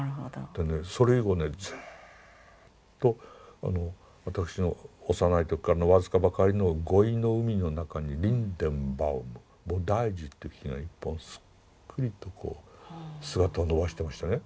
でねそれ以後ねずっと私の幼い時からの僅かばかりの語彙の海の中にリンデンバウム菩提樹っていう木が一本すっくりとこう姿を伸ばしてましてね。